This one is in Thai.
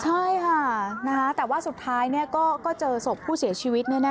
ใช่ค่ะแต่ว่าสุดท้ายก็เจอศพผู้เสียชีวิต